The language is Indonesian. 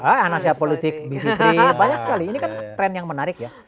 ah anak saya politik bibi prih banyak sekali ini kan tren yang menarik ya